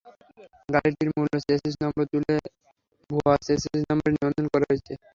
গাড়িটির মূল chassis number তুলে ভুয়া চেসিস নম্বরে নিবন্ধন করা হয়েছে।